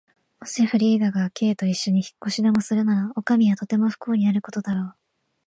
もしフリーダが Ｋ といっしょに引っ越しでもするなら、おかみはとても不幸になることだろう。